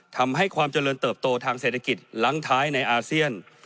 ทำให้ความเจริญเติบโตทางเศรษฐกิจหลังท้ายในอาเซียน